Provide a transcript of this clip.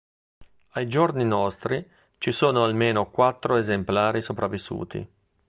Ai giorni nostri ci sono almeno quattro esemplari sopravvissuti.